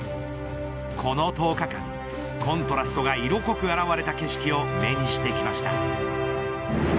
この１０日間、コントラストが色濃く表れた景色を目にしてきました。